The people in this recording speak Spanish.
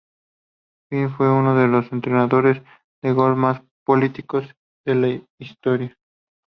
Jim Flick fue uno de los entrenadores de golf más prolíficos de lo historia.